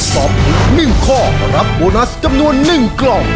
ตอบถูก๑ข้อรับโบนัสจำนวน๑กล่อง